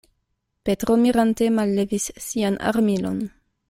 Petro mirante mallevis sian armilon.